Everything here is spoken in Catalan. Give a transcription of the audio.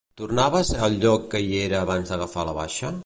Tornava a ser al lloc que hi era abans d'agafar la baixa?